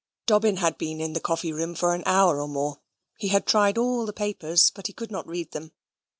Dobbin had been in the coffee room for an hour or more. He had tried all the papers, but could not read them.